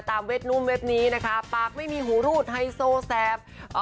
ตามเว็บนู้มเว็บนี้นะคะปากไม่มีหูรูดไฮโซแซพ